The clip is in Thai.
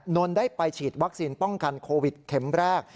นนท์ได้ไปฉีดวัคซีนป้องกันโควิดเข็มแรก